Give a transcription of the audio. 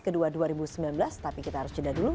kedua dua ribu sembilan belas tapi kita harus jeda dulu